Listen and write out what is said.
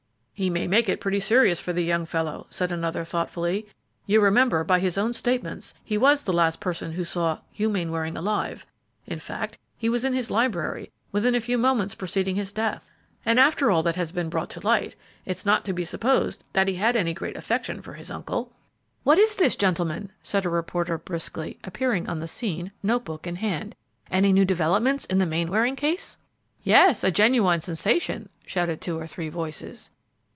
"He may make it pretty serious for the young fellow," said another, thoughtfully. "You remember, by his own statements he was the last person who saw Hugh Mainwaring alive; in fact, he was in his library within a few moments preceding his death; and after all that has been brought to light, it's not to be supposed that he had any great affection for his uncle." "What is this, gentlemen?" said a reporter, briskly, appearing on the scene, note book in hand. "Any new developments in the Mainwaring case?" "Yes, a genuine sensation!" shouted two or three voices.